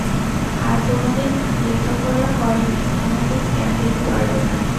তারা কোনো দিন লেখাপড়া করেনি, কোনো দিন জ্ঞান দিতে পারবে না।